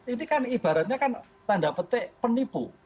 itu ibaratnya kan tanda petik penipu